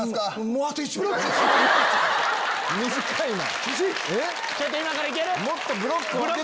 短いな！